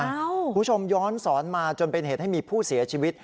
คุณผู้ชมย้อนสอนมาจนเป็นเหตุให้มีผู้เสียชีวิต